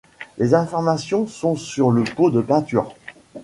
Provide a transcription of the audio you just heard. les informations sont sur le pot de peinture